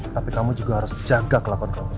tapi kamu juga harus jaga kelakuan kamu